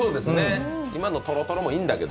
今のとろとろもいいんだけど。